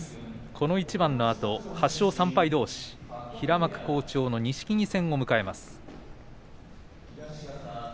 この一番のあと８勝３敗どうし平幕好調の錦木戦を迎えます。